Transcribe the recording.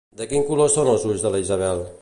De quin color són els ulls de la Isabel?